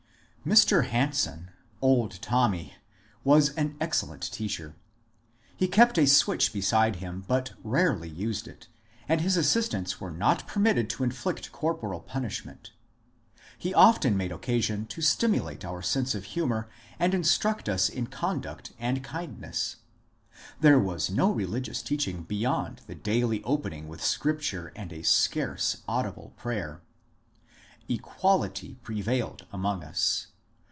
Mr. Hanson —" Old Tommy "— was an excellent teacher. He kept a switch beside him, but rarely used it, and his as sistants were not permitted to inflict corporal punishment. He often m^e occasion to stimulate our sense of honour and instruct us in conduct and kindness. There was no religious teaching beyond the daily opening with scripture and a scarce audible prayer. Equality prevailed among us.